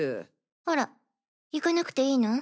あら行かなくていいの？